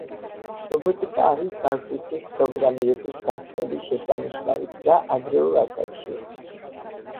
რობოტიკა არის ბავშვისთვის პროგრამირების გაცნობის შესანიშნავი გზა ადრეულ ასაკში.